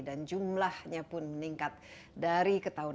dan jumlahnya pun meningkat dari ketahuan